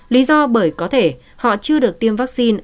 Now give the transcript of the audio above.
lý do bởi có thể họ chưa được tiêm vaccine